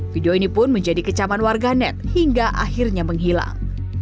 video ini pun menjadi kecaman warga net hingga akhirnya menghilang